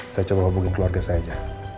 saya coba hubungin keluarga saya aja